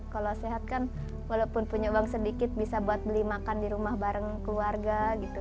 kalau sehat kan walaupun punya uang sedikit bisa buat beli makan di rumah bareng keluarga gitu